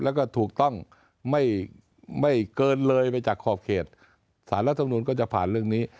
แล้วก็ถูกต้องไม่เกินเลยไปจากขอบเขตสารรัฐมนุนก็จะผ่านเรื่องนี้